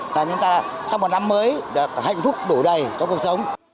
là chúng ta sau một năm mới được hạnh phúc đủ đầy trong cuộc sống